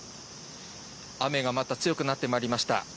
雨がまた強くなってまいりました。